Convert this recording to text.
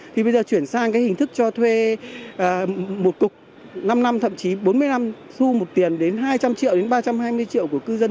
thì bây giờ chuyển sang cái hình thức cho thuê một cục năm năm thậm chí bốn mươi năm thu một tiền đến hai trăm linh triệu đến ba trăm hai mươi triệu của cư dân